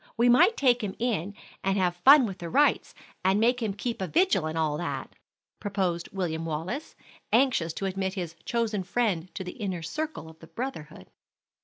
We might take him in and have fun with the rites, and make him keep a vigil and all that," proposed William Wallace, anxious to admit his chosen friend to the inner circle of the brotherhood.